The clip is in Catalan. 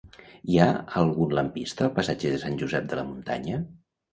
Hi ha algun lampista al passatge de Sant Josep de la Muntanya?